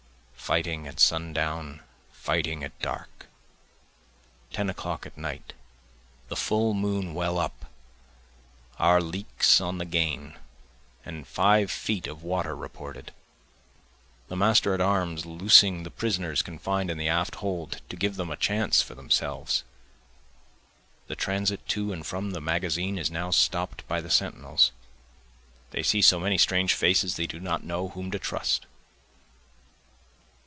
Fighting at sun down, fighting at dark, Ten o'clock at night, the full moon well up, our leaks on the gain, and five feet of water reported, The master at arms loosing the prisoners confined in the after hold to give them a chance for themselves. The transit to and from the magazine is now stopt by the sentinels, They see so many strange faces they do not know whom to trust.